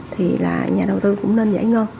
thì là nhà đầu tư cũng nên giải ngân